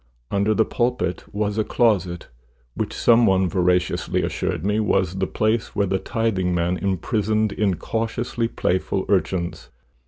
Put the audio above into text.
Under the pulpit was a closet, which some one veraciously assured me was the place where the tithingman imprisoned incautiously playful urchins.